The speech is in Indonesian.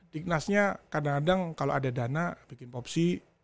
dignasnya kadang kadang kalau ada dana bikin popsi